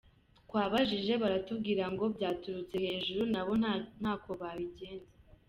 Twabajije baratubwira ngo byaturutse hejuru na bo ntako babigenza.